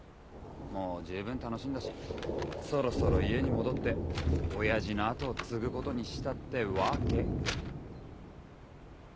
もう十分楽しんだしそろそろ家に戻って親父の後を継ぐ事にしたってわけ。